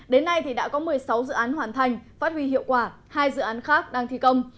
đến nay đã có một mươi sáu dự án hoàn thành phát huy hiệu quả hai dự án khác đang thi công